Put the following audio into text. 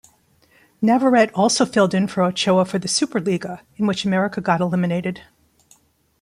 Navarrete also filled in for Ochoa for the SuperLiga, in which America got eliminated.